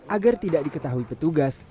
agar tidak diketahui petugas